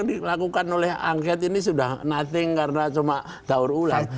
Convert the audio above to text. yang dilakukan oleh angket ini sudah nothing karena cuma daur ulang